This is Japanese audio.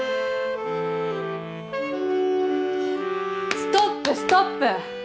はぁストップストップ。